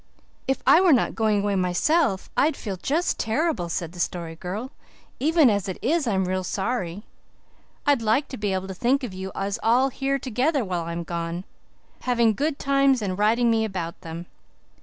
"If I were not going away myself I'd feel just terrible," said the Story Girl. "Even as it is I'm real sorry. I'd like to be able to think of you as all here together when I'm gone, having good times and writing me about them."